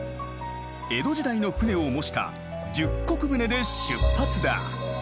江戸時代の舟を模した十石舟で出発だ。